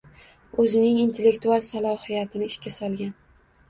Oʻzining intellektual salohiyatini ishga solgan